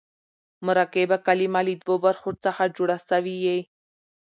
مرکبه کلمه له دوو برخو څخه جوړه سوې يي.